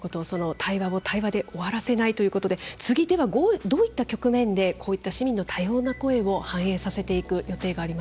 対話を対話で終わらせないということで次ではどういった局面でこういった市民の多様な声を反映させていく予定がありますか。